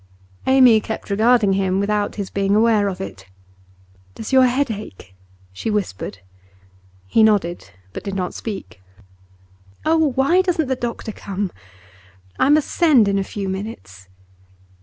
Amy kept regarding him, without his being aware of it. 'Does your head ache?' she whispered. He nodded, but did not speak. 'Oh, why doesn't the doctor come? I must send in a few minutes.